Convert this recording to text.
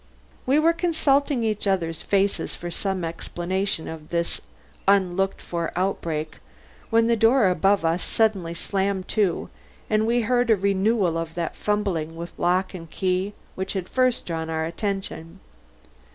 We were consulting each other's faces for some explanation of this unlooked for outbreak, when the door above us suddenly slammed to and we heard a renewal of that fumbling with lock and key which had first drawn our attention.